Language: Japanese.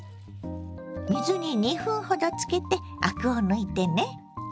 水に２分ほどつけてアクを抜いてね。